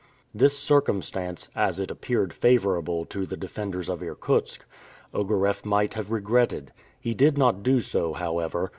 This circumstance, as it appeared favorable to the defenders of Irkutsk, Ogareff might have regretted. He did not do so, however.